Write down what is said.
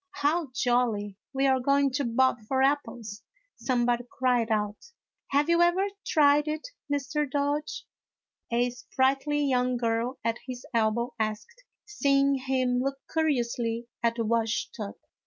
" How jolly, we are going to bob for apples 1 " somebody cried out. " Have you ever tried it, Mr. Dodge ?" a sprightly young girl at his elbow asked, seeing him look curi ously at the wash tub.